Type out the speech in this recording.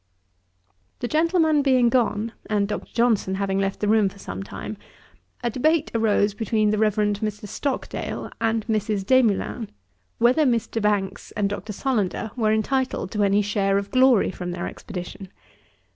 The gentleman being gone, and Dr. Johnson having left the room for some time, a debate arose between the Reverend Mr. Stockdale and Mrs. Desmoulins, whether Mr. Banks and Dr. Solander were entitled to any share of glory from their expedition.